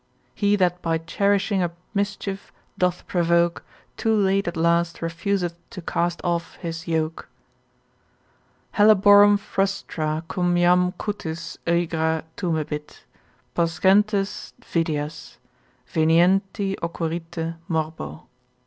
He that by cherishing a mischief doth provoke, Too late at last refuseth to cast off his yoke, Helleborum frustra cum jam cutis aegra tumebit, Poscentes videas; venienti occurrite morbo.